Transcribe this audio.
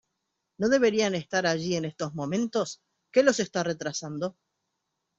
¿ No deberían estar allí en estos momentos? ¿ qué los está retrasando ?